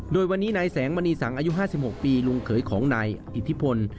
โดยวันนี้นายแสงมณีสังอายุ๕๖ปีลุงเขยของนายอิทธิพล